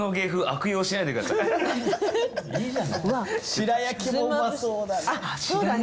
白焼きもうまそうだね。